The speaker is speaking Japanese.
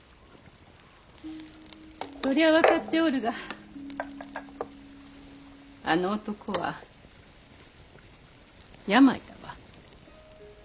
そりゃ分かっておるがあの男は病だわ。